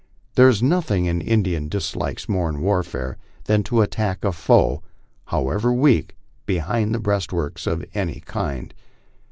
There is nothing an Indian dislikes more in warfare than to attack a foe, however weak, behind breastworks of any kind.